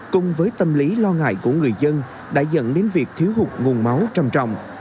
cùng với tâm lý lo ngại của người dân đã dẫn đến việc thiếu hụt nguồn máu trầm trọng